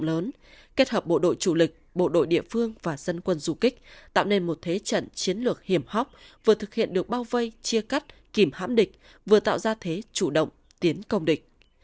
thế trận chiến tranh nhân dân rộng lớn kết hợp bộ đội chủ lịch bộ đội địa phương và dân quân du kích tạo nên một thế trận chiến lược hiểm hóc vừa thực hiện được bao vây chia cắt kìm hãm địch vừa tạo ra thế chủ động tiến công địch